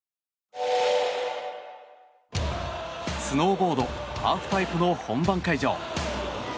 スノーボードハーフパイプの本番会場。